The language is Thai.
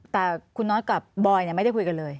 แต่คุณน็อตกับบอยไม่ได้คุยกันเลย